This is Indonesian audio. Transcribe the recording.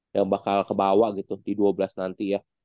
yang bakal kebawa gitu di dua belas nanti ya